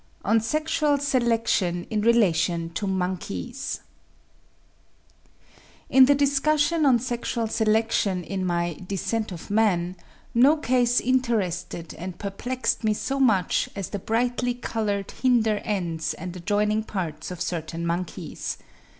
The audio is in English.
ON SEXUAL SELECTION IN RELATION TO MONKEYS. Reprinted from NATURE, November 2, 1876, p. 18. In the discussion on Sexual Selection in my 'Descent of Man,' no case interested and perplexed me so much as the brightly coloured hinder ends and adjoining parts of certain monkeys.